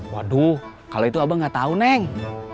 waduh kalau itu abang gak tau neng